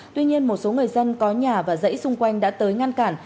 tuy nhiên một số người dân có nhà và dãy xung quanh đã tới ngăn cản